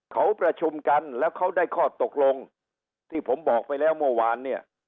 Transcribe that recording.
เขาประชุมกันแล้วเขาได้ข้อตกลงที่ผมบอกไปแล้วเมื่อวานเนี่ย